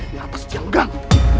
di atas janggang